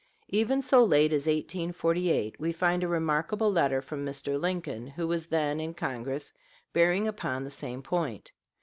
Even so late as 1848, we find a remarkable letter from Mr. Lincoln, who was then in Congress, bearing upon the same point.